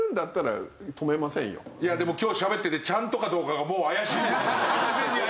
いやでも今日しゃべっててちゃんとかどうかがもう怪しい完全に怪しいんですよ。